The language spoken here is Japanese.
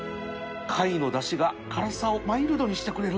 貝のだしが辛さをマイルドにしてくれる